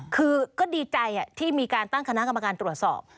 คือก็ดีใจที่มีการตั้งคณะกรรมการตรวจสอบ